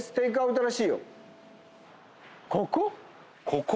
ここ？